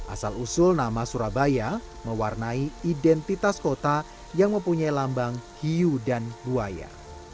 asal usul nama surabaya mewarnai identitas kota yang mempunyai lambang hiu dan buaya